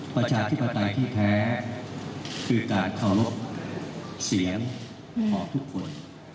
ประชาธิปไตยที่แท้คือการเคารพเสียงของทุกคน